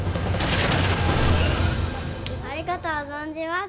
ありがとう存じます